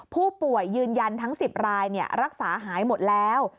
ผู้ป่วยยืนยันทั้ง๑๐รายรักษาหายหมดแล้ว